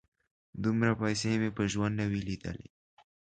_دومره پيسې مې په ژوند نه وې لېدلې.